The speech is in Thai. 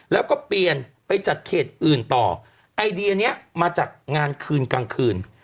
แล้วก็เปลี่ยนไปจากเขตอื่นต่อไอเดียเนี้ยมาจากงานคืนกลางคืน